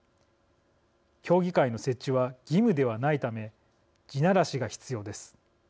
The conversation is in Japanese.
協議会の設置は義務ではないため地ならしが必要です。